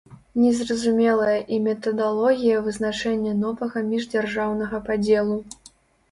Не зразумелая і метадалогія вызначэння новага міждзяржаўнага падзелу.